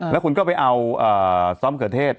แล้วคุณก็ไปเอาซ้อมเขือเทศ